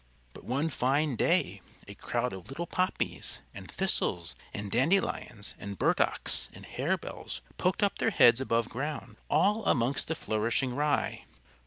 But one fine day a crowd of little Poppies, and Thistles and Dandelions, and Burdocks and Harebells poked up their heads above ground, all amongst the flourishing Rye.